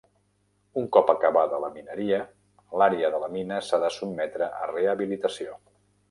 Un cop acabada la mineria, l'àrea de la mina s'ha de sotmetre a rehabilitació.